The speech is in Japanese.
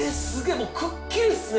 もうくっきりですね